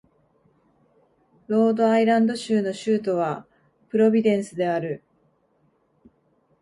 ロードアイランド州の州都はプロビデンスである